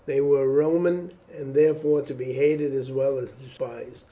They were Roman, and therefore to be hated as well as despised.